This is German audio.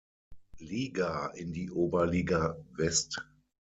Liga in die Oberliga West.